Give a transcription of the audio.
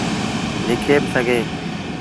لکي با سگھيٚن۔